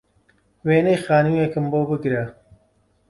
وێنەی خانووێکم بۆ بگرە